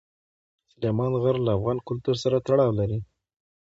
سلیمان غر له افغان کلتور سره تړاو لري.